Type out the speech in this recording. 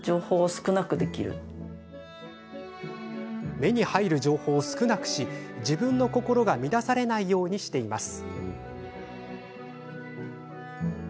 目に入る情報を少なくし自分の心が乱されないようにしています。